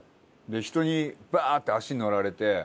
人にバーッて足乗られて。